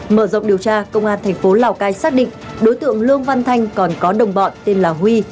mở rộng điều tra công an thành phố lào cai xác định đối tượng lương văn thanh còn có đồng bọn tên là huy